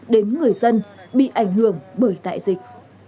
đến người dân bị ảnh hưởng bởi đại dịch